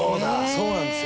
そうなんですよ。